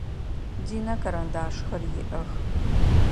Динэ карандашхэр иӏэх.